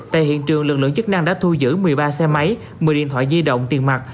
tại hiện trường lực lượng chức năng đã thu giữ một mươi ba xe máy một mươi điện thoại di động tiền mặt